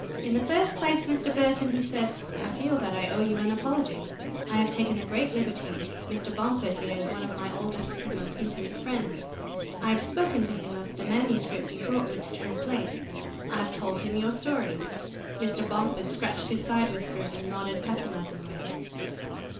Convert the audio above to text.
"In the first place, Mr. Burton," he said, "I feel that I owe you an apology. I have taken a great liberty. Mr. Bomford here is one of my oldest and most intimate friends. I have spoken to him of the manuscript you brought me to translate. I have told him your story." Mr. Bomford scratched his side whiskers and nodded patronizingly.